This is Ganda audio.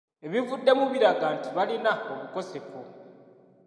Ebivuddemu biraga nti balina obukosefu.